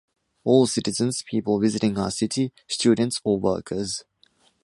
All citizens, people visiting our city, students or workers.